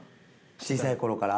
小さいころから？